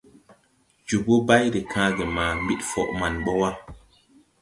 Jobo bay de kããge ma ɓid fɔ man bɔ wà.